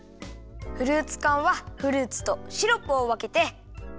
フルーツかんはフルーツとシロップをわけて。